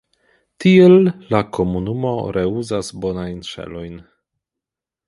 Tiel, la komunumo reuzas bonajn ŝelojn.